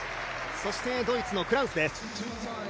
そしてドイツのクラウスです。